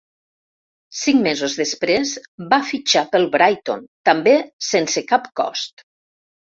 Cinc mesos després, va fitxar pel Brighton, també sense cap cost.